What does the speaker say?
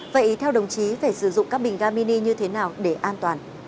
vậy theo đồng chí phải sử dụng các bình ga mini như thế nào để an toàn